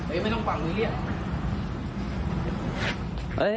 เอ๊ะไม่ต้องฝั่งมือเรียก